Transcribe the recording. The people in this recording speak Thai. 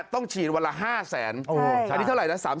ต้องฉีดวันละ๕แสนอันนี้เท่าไหร่นะ